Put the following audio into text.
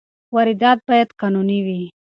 واردات باید قانوني وي.